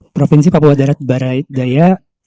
provinsi papua barat daya